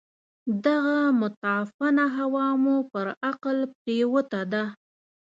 دغه متعفنه هوا مو پر عقل پرېوته ده.